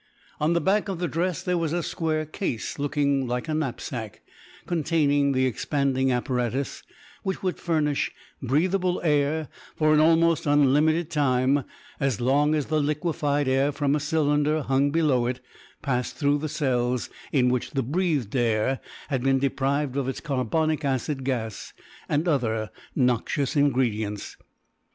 On the back of the dress there was a square case, looking like a knapsack, containing the expanding apparatus, which would furnish breathable air for an almost unlimited time as long as the liquefied air from a cylinder hung below it passed through the cells in which the breathed air had been deprived of its carbonic acid gas and other noxious ingredients.